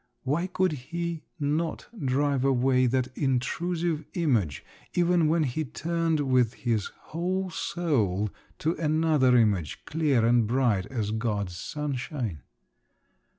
Why could he not drive away that intrusive image, even when he turned with his whole soul to another image, clear and bright as God's sunshine?